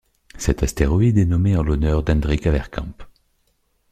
Cet astéroïde est nommé en l'honneur d'Hendrick Avercamp.